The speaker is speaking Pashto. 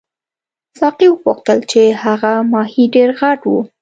ساقي وپوښتل چې هغه ماهي ډېر غټ وو.